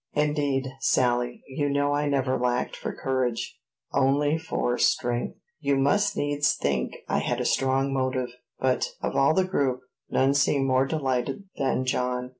"Indeed, Sally, you know I never lacked for courage, only for strength. You must needs think I had a strong motive." But, of all the group, none seemed more delighted than John.